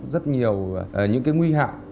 rất nhiều những cái nguy hạ